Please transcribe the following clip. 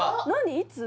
いつ？